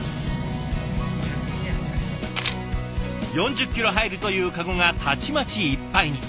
４０キロ入るという籠がたちまちいっぱいに。